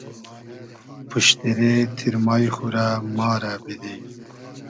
پوشتیرې تیرمای خو رۂ ما رۂ بیدی